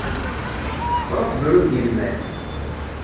Ruḥ bru-d i lmal.